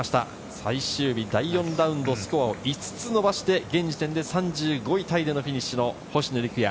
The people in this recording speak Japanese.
最終日第４ラウンド、スコアを５つ伸ばして、現時点で３５位タイでのフィニッシュの星野陸也。